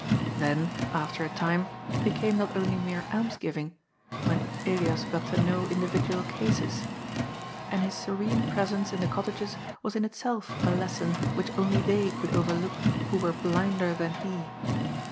Then, after a time, it be came not only mere alms giving, when Elias got to know individual cases. And his serene presence in the cottages was in itself a lesson which only they could overlook who were blinder than he.